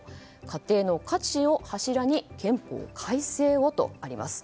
家庭の価値を柱に憲法改正を！とあります。